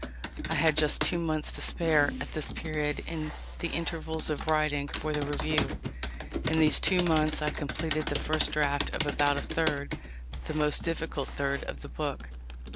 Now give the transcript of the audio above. I had just two months to spare, at this period, in the intervals of writing for the Review. In these two months I completed the first draft of about a third, the most difficult third, of the book.